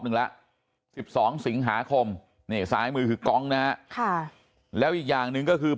นึงละ๑๒สิงหาคมในสายมือกองนะแล้วอีกอย่างนึงก็คือพ่อ